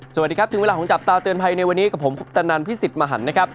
สวัสดีครับถึงเวลาของจับตาเตือนภัยในวันนี้กับผมคุปตนันพิสิทธิ์มหันนะครับ